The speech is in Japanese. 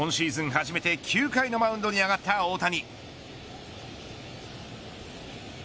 初めて、９回のマウンドに上がった大谷。